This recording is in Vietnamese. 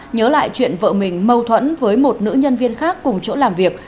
nhớ lại chuyện vợ mình mâu thuẫn với một nữ nhân viên khác cùng chỗ làm việc